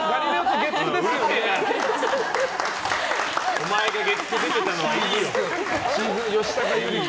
お前が月９出てたのはいいよ。